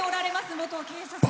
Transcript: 元警察官。